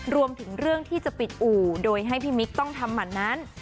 รวมถึงเรื่องที่จะปิดอู่โดยให้พี่มิ๊กต้องทำหมั่นนั้น